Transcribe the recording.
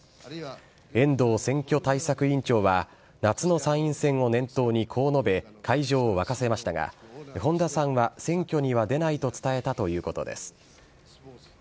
遠藤選挙対策委員長は、夏の参院選を念頭にこう述べ、会場を沸かせましたが、本田さんは選挙には出ないと伝えたということです。